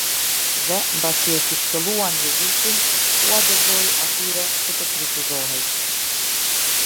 Dhe, mbasi e fshikulluan Jezusin, ua dorëzoi atyre që të kryqëzohej.